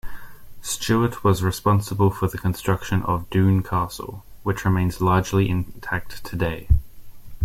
Stewart was responsible for the construction of Doune Castle, which remains largely intact today.